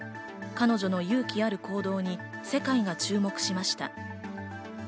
彼女の勇気ある行動に世界が注目しました。